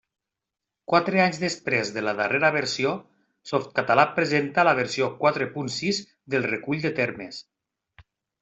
Quatre anys després de la darrera versió, Softcatalà presenta la versió quatre punt sis del Recull de termes.